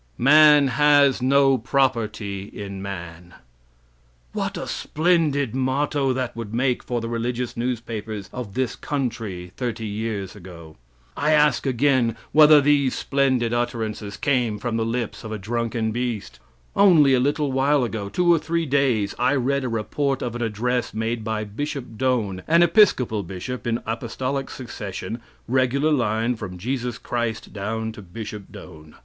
"Man has no property in man." What a splendid motto that would make for the religious newspapers of this country thirty years ago. I ask, again, whether these splendid utterances came from the lips of a drunken beast? Only a little while ago two or three days I read a report of an address made by Bishop Doane, an Episcopal Bishop in apostolic succession regular line from Jesus Christ down to Bishop Doane.